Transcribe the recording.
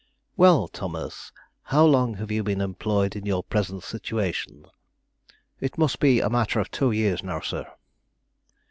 "Well, Thomas, how long have you been employed in your present situation?" "It must be a matter of two years now, sir."